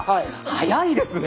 早いですね。